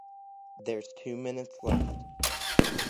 There's two minutes left.